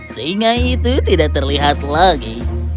singa itu tidak terlihat lagi